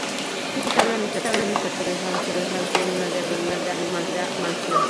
Un niño entabla amistad con una misteriosa anciana que vive en una derruida mansión.